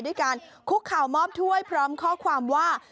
ด้วยการคุกข่าวมอบถ้วยพร้อมข้อความว่า